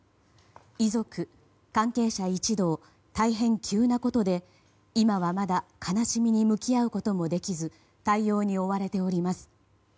遺族、関係者一同大変急なことで今はまだ悲しみに向き合うこともできず対応に追われております。